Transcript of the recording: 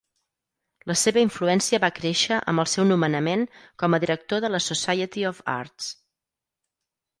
La seva influència va créixer amb el seu nomenament com a director de la Society of Arts.